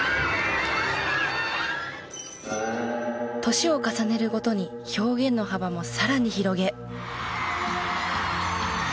年を重ねるごとに表現の幅もさらに広げ。